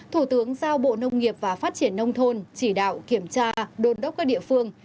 thủ tướng giao bộ nông nghiệp và phát triển nông thôn chỉ đạo kiểm tra đôn đốc các địa phương